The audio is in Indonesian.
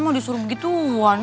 mau disuruh begitu wani